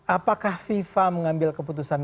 apakah fifa mengambil keputusan